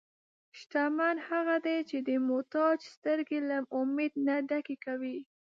شتمن هغه دی چې د محتاج سترګې له امید نه ډکې کوي.